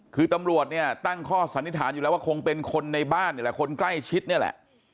คือตำรวจเนี่ยตั้งข้อสันนิษฐานอยู่แล้วว่าคงเป็นคนในบ้านนี่แหละคนใกล้ชิดนี่แหละ